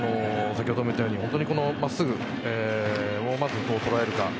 先ほども言ったように真っすぐをまずどう捉えるか。